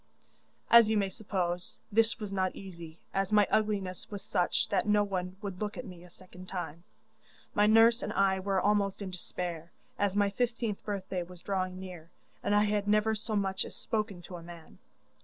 'As you may suppose, this was not easy, as my ugliness was such that no one would look at me a second time. My nurse and I were almost in despair, as my fifteenth birthday was drawing near, and I had never so much as spoken to a man.